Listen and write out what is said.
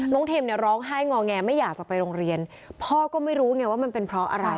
เทมเนี่ยร้องไห้งอแงไม่อยากจะไปโรงเรียนพ่อก็ไม่รู้ไงว่ามันเป็นเพราะอะไร